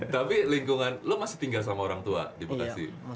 tapi lo masih tinggal sama orang tua di bekasi